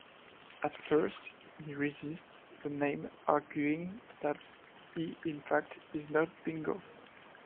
At first he resists the name, arguing that he, in fact, is not Bingo.